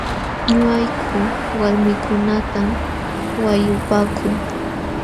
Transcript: Ñuqayku walmiikunatam wayllupaaku.